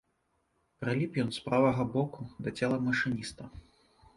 Прыліп ён з правага боку да цела машыніста.